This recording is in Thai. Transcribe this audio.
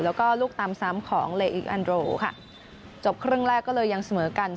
แล้วก็ลูกตามซ้ำของเลอิอันโรค่ะจบครึ่งแรกก็เลยยังเสมอกัน